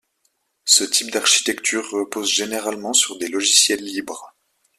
Ce type d'architecture repose généralement sur des logiciels libres.